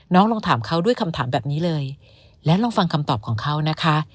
ลองถามเขาด้วยคำถามแบบนี้เลยและลองฟังคำตอบของเขานะคะ